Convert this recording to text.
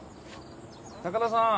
高田さん